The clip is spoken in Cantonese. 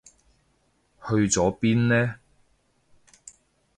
去咗邊呢？